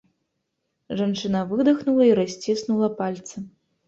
Жанчына выдахнула і расціснула пальцы.